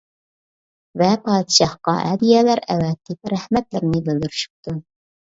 ۋە پادىشاھقا ھەدىيەلەر ئەۋەتىپ رەھمەتلىرىنى بىلدۈرۈشۈپتۇ.